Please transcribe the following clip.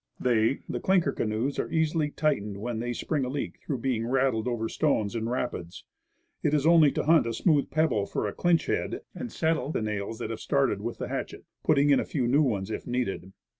They, the clinker canoes, are easily tightened when they spring a leak through being rattled over stones in rapids. It is only to hunt a smooth pebble for a clinch head, and settle the nails that have started with the hatchet, putting in a few new ones if needed.